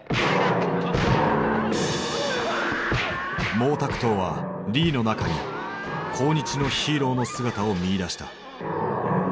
毛沢東はリーの中に抗日のヒーローの姿を見いだした。